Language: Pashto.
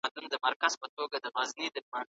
څنګه ځوانان کولای سي نوي ټیکنالوژي زده کړي؟